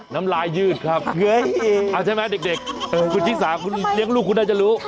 น้ำลายยืดครับเอาใช่ไหมเด็กคุณชิสาคุณเลี้ยงลูกคุณน่าจะรู้